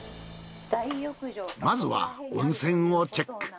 まずは温泉をチェック。